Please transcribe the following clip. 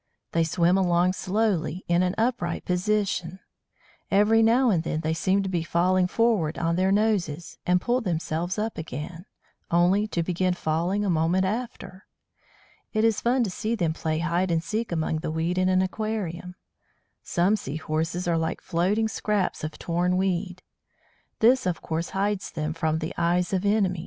They swim along slowly, in an upright position. Every now and then they seem to be falling forward on their noses, and pull themselves up again, only to begin falling a moment after. It is fun to see them play hide and seek among the weed in an aquarium. Some Sea horses are like floating scraps of torn weed; this, of course, hides them from the eyes of enemies.